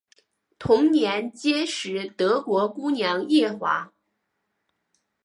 同年结识德国姑娘叶华。